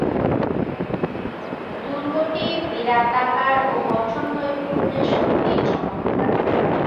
দুর্গটি বিরাটাকার ও গঠননৈপুণ্যে সত্যিই চমৎকার।